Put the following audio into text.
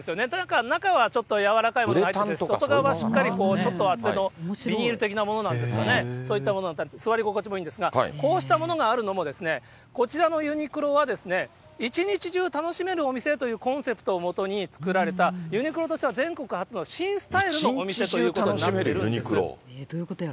ただ中はちょっと柔らかいものが、素材はちょっと厚手のビニール的なものなんですかね、そういったもので、座り心地もいいんですが、こうしたものがあるのも、こちらのユニクロは、一日中楽しめるお店というコンセプトをもとに作られたユニクロとしては全国初の新スタイルのお店ということになってるんです。